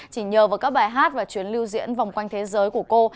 chỉ nhờ vào các bài hát và chuyến lưu diễn vòng quanh thế giới của cô